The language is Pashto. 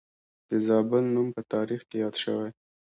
د زابل نوم په تاریخ کې یاد شوی